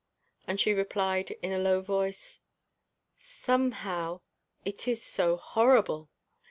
And she replied in a low voice: "Somehow it is so horrible!"